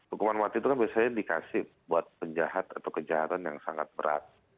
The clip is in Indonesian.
hukuman mati itu kan biasanya dikasih buat penjahat atau kejahatan yang sangat berat